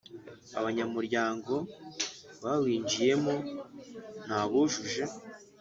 Abanyamuryango bawinjiyemo ni abujuje